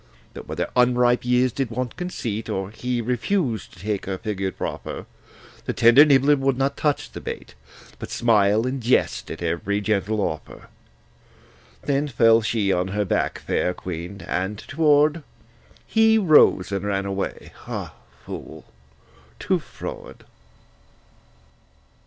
But whether unripe years did want conceit, Or he refused to take her figured proffer, The tender nibbler would not touch the bait, But smile and jest at every gentle offer: Then fell she on her back, fair queen, and toward: He rose and ran away; ah, fool too froward!